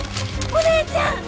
お姉ちゃん！